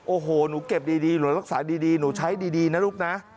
โอ้โหหนูเก็บดีหนูรักษาดีหนูใช้ดีนะลูกนะ